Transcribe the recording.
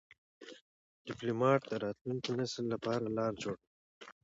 ډيپلومات د راتلونکي نسل لپاره لار جوړوي.